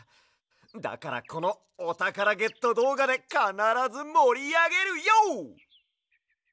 だからこのおたからゲットどうがでかならずもりあげるＹＯ！